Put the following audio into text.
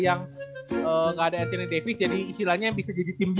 yang nggak ada anthony davis jadi istilahnya bisa jadi tim dia gitu ya